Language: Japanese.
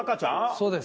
そうです